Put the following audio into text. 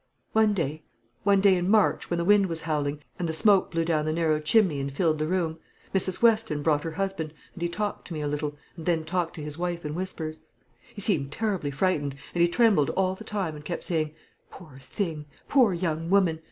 "One day, one day in March, when the wind was howling, and the smoke blew down the narrow chimney and filled the room, Mrs. Weston brought her husband, and he talked to me a little, and then talked to his wife in whispers. He seemed terribly frightened, and he trembled all the time, and kept saying, 'Poor thing; poor young woman!'